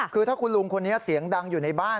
คือถ้าคุณลุงคนนี้เสียงดังอยู่ในบ้าน